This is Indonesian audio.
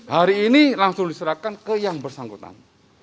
hari ini langsung diserahkan ke yang bersangkutan